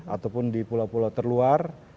ataupun di pulau pulau terluar